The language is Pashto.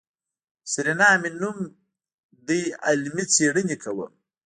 سېرېنا مې نوم دی علمي څېړنې کوم.